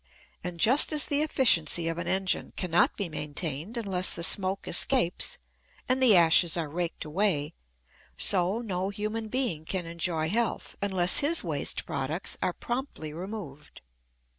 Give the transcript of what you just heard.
And just as the efficiency of an engine cannot be maintained unless the smoke escapes and the ashes are raked away, so no human being can enjoy health unless his waste products are promptly removed.